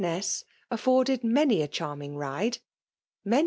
1€B ness, afforded many a chacmizig ride — many .